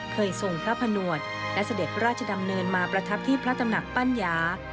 ทรงพระผนวดและเสด็จพระราชดำเนินมาประทับที่พระตำหนักปัญญา